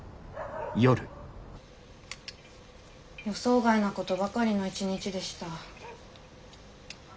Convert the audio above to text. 予想外なことばかりの一日でした。